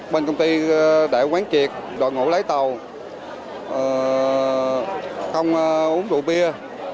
bên công ty đã quán triệt đội ngũ lái tàu không uống rượu bia